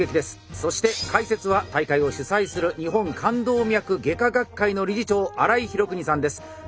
そして解説は大会を主催する日本冠動脈外科学会の理事長荒井裕国さんです。